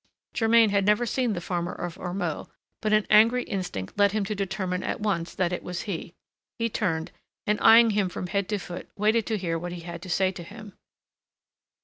Germain had never seen the farmer of Ormeaux; but an angry instinct led him to determine at once that it was he. He turned, and, eyeing him from head to foot, waited to hear what he had to say to him.